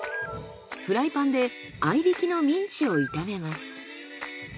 フライパンで合い挽きのミンチを炒めます。